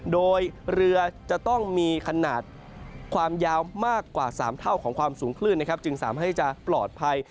โดยเรือจะต้องมีขนาดความยาวมากกว่า๓เท่าของความสูงคลื่นนะครับจึงสามารถที่จะปลอดภัย